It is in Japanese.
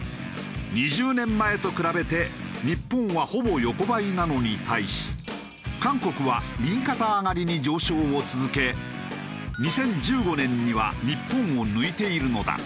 ２０年前と比べて日本はほぼ横ばいなのに対し韓国は右肩上がりに上昇を続け２０１５年には日本を抜いているのだ。